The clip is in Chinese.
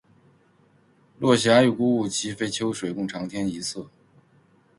落霞与孤鹜齐飞，秋水共长天一色